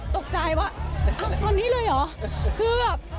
ตกใจค่ะแต่ละอ่ะวันนี้เลยเหรอคือแบบ